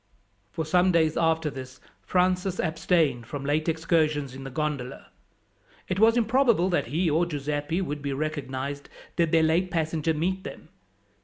For some days after this Francis abstained from late excursions in the gondola. It was improbable that he or Giuseppi would be recognized did their late passenger meet them.